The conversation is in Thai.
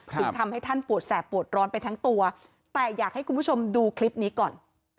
ถึงทำให้ท่านปวดแสบปวดร้อนไปทั้งตัวแต่อยากให้คุณผู้ชมดูคลิปนี้ก่อน